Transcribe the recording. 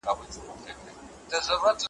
یو وخت به مې یې په زنګون سر ایښی و